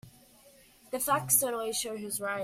The facts don't always show who is right.